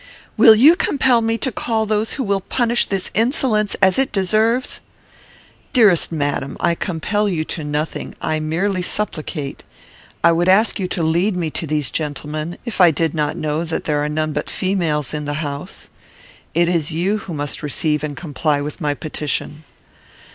"Will you compel me to call those who will punish this insolence as it deserves?" "Dearest madam! I compel you to nothing. I merely supplicate. I would ask you to lead me to these gentlemen, if I did not know that there are none but females in the house. It is you who must receive and comply with my petition.